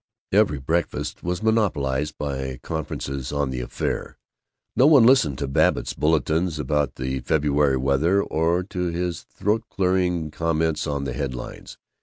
Every breakfast was monopolized by conferences on the affair. No one listened to Babbitt's bulletins about the February weather or to his throat clearing comments on the headlines.